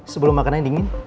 sebelum makanannya dingin